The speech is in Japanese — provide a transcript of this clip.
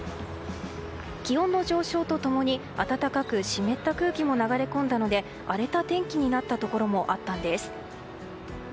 気温の上昇と共に暖かく湿った空気も流れ込んだので荒れた天気になったところもあったんです。